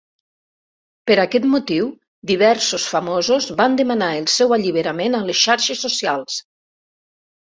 Per aquest motiu diversos famosos van demanar el seu alliberament a les xarxes socials.